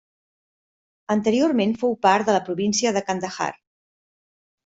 Anteriorment fou part de la província de Kandahar.